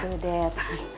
oh gitu dad